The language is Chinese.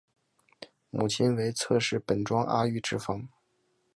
母亲为侧室本庄阿玉之方。